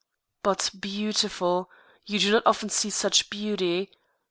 But beautiful! You do not often see such beauty.